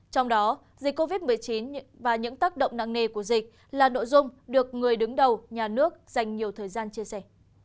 trong đó dịch covid một mươi chín và những tác động nặng nề của dịch là nội dung được người đứng đầu nhà nước dành nhiều thời gian chia sẻ